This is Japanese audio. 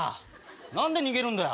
何で逃げるんだよ？